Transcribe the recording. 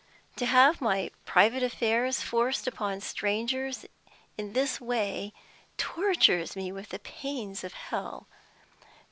To have my private affairs forced upon strangers in this way tortures me with the pains of hell.